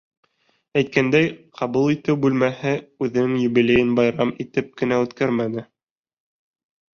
Әйткәндәй, ҡабул итеү бүлмәһе үҙенең юбилейын байрам итеп кенә үткәрмәне.